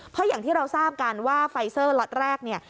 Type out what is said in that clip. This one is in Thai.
เพราะอย่างที่เราทราบกันว่าไฟเซอร์ล็อตแรกเนี่ย